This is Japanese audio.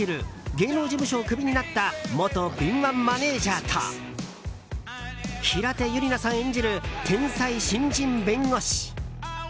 芸能事務所をクビになった元敏腕マネジャーと平手友梨奈さん演じる天才新人弁護士。